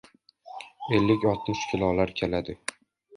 Ellik-oltmish kilolar keldi.